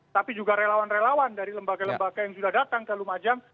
tapi juga relawan relawan dari lembaga lembaga yang sudah datang ke lumajang